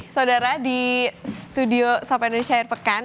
saudara di studio sapa indonesia air pekan